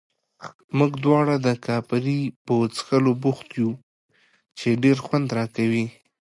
موږ دواړه د کاپري په څښلو بوخت یو، چې ډېر خوند راکوي.